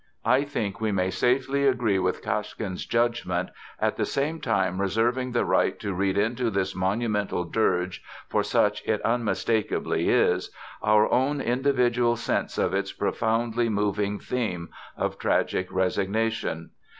I think we may safely agree with Kashkin's judgment, at the same time reserving the right to read into this monumental dirge, for such it unmistakably is, our own individual sense of its profoundly moving theme of tragic resignation.